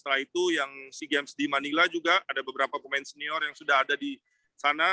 setelah itu yang sea games di manila juga ada beberapa pemain senior yang sudah ada di sana